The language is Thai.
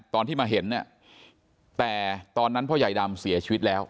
ตอนที่มาเห็นเนี่ยแต่ตอนนั้นพ่อใหญ่ดำเสียชีวิตแล้ว